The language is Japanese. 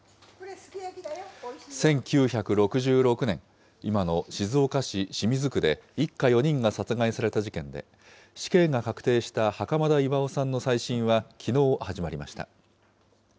１９６６年、今の静岡市清水区で一家４人が殺害された事件で、死刑が確定した袴田巌さんの再審はきのう始まりました。